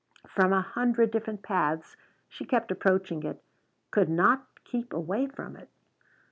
From a hundred different paths she kept approaching it, could not keep away from it.